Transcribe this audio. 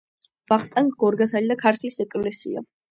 ვახტანგ გორგასალი და ქართლის ეკლესია.